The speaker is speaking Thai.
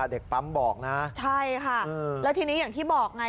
เด็กปั๊มบอกนะใช่ค่ะแล้วทีนี้อย่างที่บอกไง